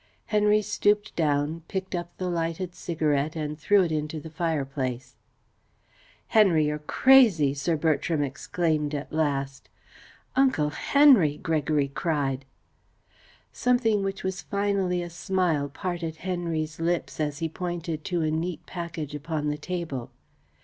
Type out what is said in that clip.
Henry stooped down, picked up the lighted cigarette, and threw it into the fireplace. "Henry, you're crazy!" Sir Bertram exclaimed at last. "Uncle Henry!" Gregory cried. Something which was finally a smile parted Henry's lips, as he pointed to a neat package upon the table.